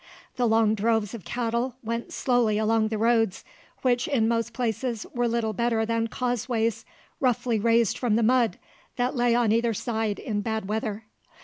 The long droves of cattle went slowly along the roads, which in most places were little better than causeways roughly raised from the mud that lay on either side in bad weather.